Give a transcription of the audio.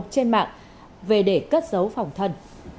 trên mạng về để cất giấu phòng thân